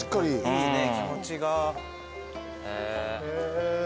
いいね気持ちが。